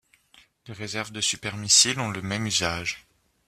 Les réserves de super missiles ont le même usage.